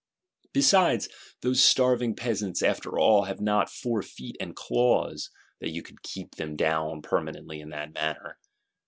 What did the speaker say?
Besides, those starving Peasants, after all, have not four feet and claws, that you could keep them down permanently in that manner.